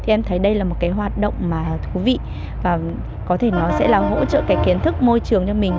em thấy đây là một hoạt động thú vị có thể nó sẽ là hỗ trợ kiến thức môi trường cho mình